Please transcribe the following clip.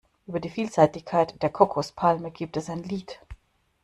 Über die Vielseitigkeit der Kokospalme gibt es ein Lied.